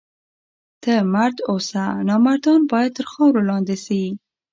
ته مرد اوسه! نامردان باید تر خاورو لاندي سي.